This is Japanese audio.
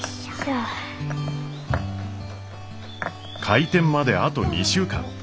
開店まであと２週間。